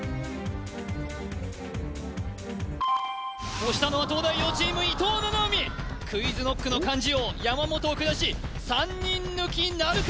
押したのは東大王チーム伊藤七海ＱｕｉｚＫｎｏｃｋの漢字王山本を下し３人抜きなるか？